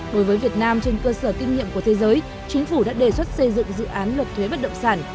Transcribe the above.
đối với việt nam trên cơ sở kinh nghiệm của thế giới chính phủ đã đề xuất xây dựng dự án luật thuế bất động sản